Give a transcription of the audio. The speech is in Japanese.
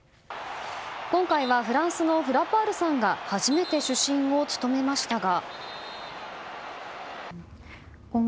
今回はフランスのフラパールさんが初めて主審を務めましたが。